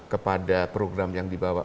kepada program yang dibawa